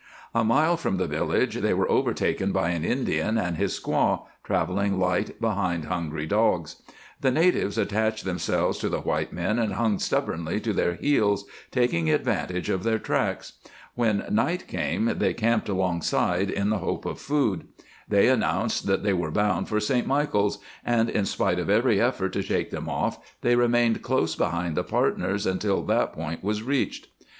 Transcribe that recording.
A mile from the village they were overtaken by an Indian and his squaw, traveling light behind hungry dogs. The natives attached themselves to the white men and hung stubbornly to their heels, taking advantage of their tracks. When night came they camped alongside, in the hope of food. They announced that they were bound for St. Michaels, and in spite of every effort to shake them off they remained close behind the partners until that point was reached.